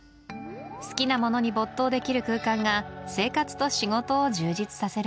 好きなものに没頭できる空間が生活と仕事を充実させる